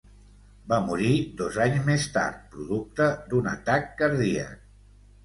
Va morir dos anys més tard producte d'un atac cardíac.